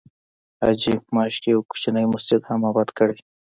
حاجي ماشک یو کوچنی مسجد هم آباد کړی.